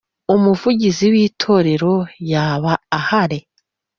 umuvugizi w Itorero yaba ahari